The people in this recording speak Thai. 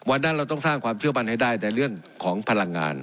วันนั้นเราต้องสร้างความเชื่อมั่นให้ได้ในเรื่องของพลังงาน